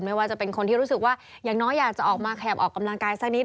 ไม่ว่าจะเป็นคนที่รู้สึกว่าอย่างน้อยอยากจะออกมาแขบออกกำลังกายสักนิด